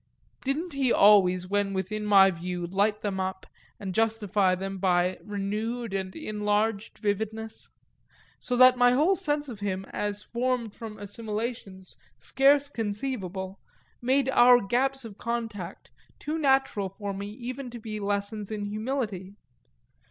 Didn't he always when within my view light them up and justify them by renewed and enlarged vividness? so that my whole sense of him as formed for assimilations scarce conceivable made our gaps of contact too natural for me even to be lessons in humility.